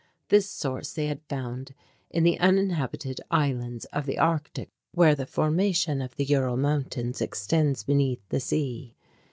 This source they had found in the uninhabited islands of the Arctic, where the formation of the Ural Mountains extends beneath the sea.